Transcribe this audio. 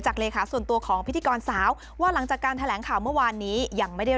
เลขาส่วนตัวของพิธีกรสาวว่าหลังจากการแถลงข่าวเมื่อวานนี้ยังไม่ได้